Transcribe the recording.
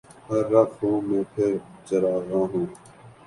ہر رگ خوں میں پھر چراغاں ہو